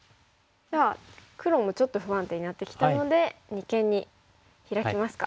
黒もちょっと不安定になってきたので二間にヒラきますか。